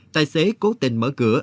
tài xế cố tình mở cửa